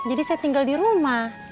jadi saya tinggal di rumah